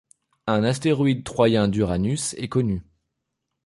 Un astéroïde troyen d'Uranus est connu.